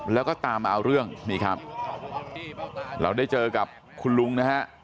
แล้วก็ตามมาเอาเรื่องนี่ครับเราได้เจอกับคุณลุงนะฮะ